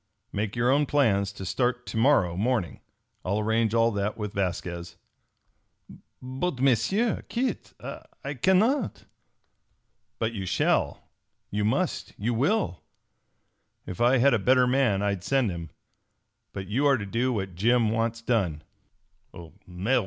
Make your own plans to start to morrow morning. I'll arrange all that with Vasquez." "But, M'sieu Kit, I cannot!" "But you shall, you must, you will! If I had a better man I'd send him, but you are to do what Jim wants done."